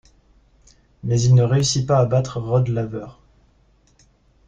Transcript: Mais il ne réussit pas à battre Rod Laver.